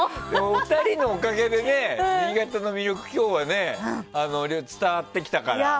お二人のおかげで新潟の魅力を今日は、伝わってきたから。